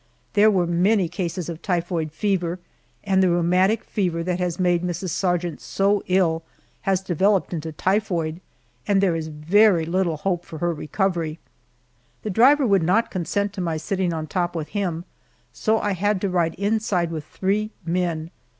There were many cases of typhoid fever, and the rheumatic fever that has made Mrs. Sargent so ill has developed into typhoid, and there is very little hope for her recovery. The driver would not consent to my sitting on top with him, so I had to ride inside with three men.